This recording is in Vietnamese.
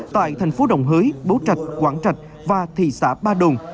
tại thành phố đồng hới bố trạch quảng trạch và thị xã ba đồn